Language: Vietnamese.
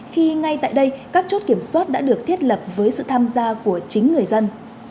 khi ngay tại đây các chốt kiểm soát đã được thiết lập với sự tham gia của chính người dân